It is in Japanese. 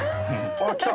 あっきた！